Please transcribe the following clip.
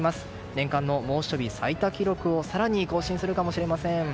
年間の猛暑日最多記録を更に更新するかもしれません。